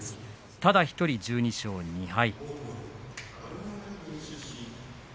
ただ１人１２勝２敗。